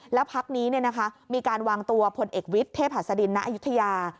แล้วภักดิ์นี้มีการวางตัวพลเอกวิทธิ์เทพศดินนะอยุธยา